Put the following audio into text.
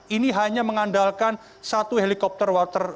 ini hanya mengandalkan satu helikopter water